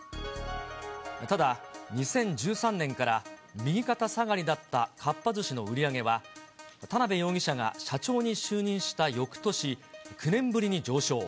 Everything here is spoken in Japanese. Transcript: ただ、２０１３年から右肩下がりだったかっぱ寿司の売り上げは、田辺容疑者が社長に就任したよくとし、９年ぶりに上昇。